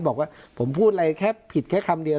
บอกว่าผมพูดอะไรแค่ผิดแค่คำเดียว